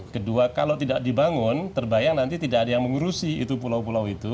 kedua kalau tidak dibangun terbayang nanti tidak ada yang mengurusi itu pulau pulau itu